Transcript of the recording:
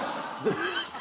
どうした？